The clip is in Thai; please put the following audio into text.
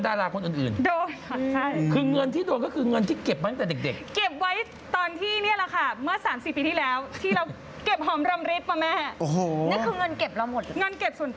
นั่นคือเงินเก็บเราหมด